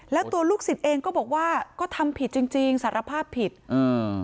แล้วตัวลูกศิษย์เองก็บอกว่าก็ทำผิดจริงจริงสารภาพผิดอ่า